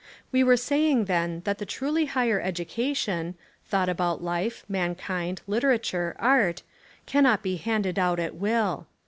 We were saying then that the truly higher edu cation — thought about life, mankind, hterature, art, — cannot be handed out at v/ill.